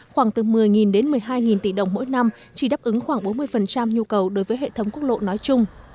khoảng từ một mươi đến một mươi hai tỷ đồng mỗi năm chỉ đáp ứng khoảng bốn mươi nhu cầu đối với hệ thống quốc lộ nói chung